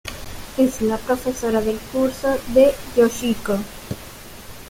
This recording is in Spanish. Es la profesora del curso de Yoshiko.